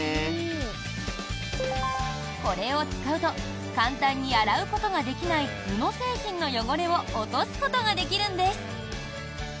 これを使うと簡単に洗うことができない布製品の汚れを落とすことができるんです。